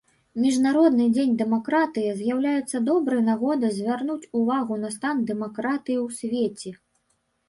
Міжнародны дзень дэмакратыі з'яўляецца добрай нагодай звярнуць увагу на стан дэмакратыі ў свеце.